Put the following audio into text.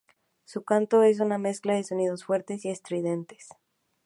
Su canto es una mezcla de sonidos fuertes y estridentes.